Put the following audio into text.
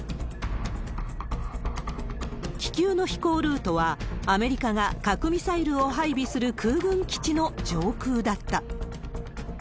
気球の飛行ルートは、アメリカが核ミサイルを配備する空軍基地の上空だった。